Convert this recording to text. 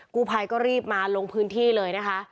กู้ภัยก็รีบมาลงพื้นที่เลยนะคะ